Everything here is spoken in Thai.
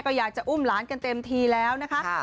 ก็อยากจะอุ้มหลานกันเต็มทีแล้วนะคะ